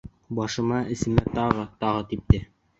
Башыма, әсемә тағы, тағы типте.